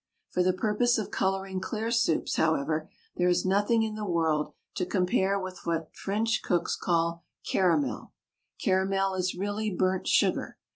For the purpose of colouring clear soups, however, there is nothing in the world to compare with what French cooks call caramel. Caramel is really burnt sugar.